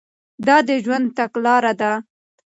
دا د ژوند تګلاره ده.